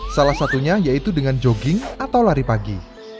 salah satunya yaitu dengan jogging atau lari pagi